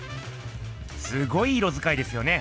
すごい色づかいですよね。